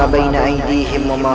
aku berhak untuk menjelaskan semuanya